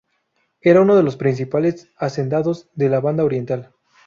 Era uno de los principales hacendados de la Banda Oriental.